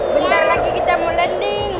bentar lagi kita mau landing